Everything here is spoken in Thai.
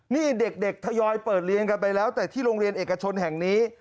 นี่เด็กทยอยเปิดเรียนกันไปแล้วแต่ที่โรงเรียนเอกชนแห่งนี้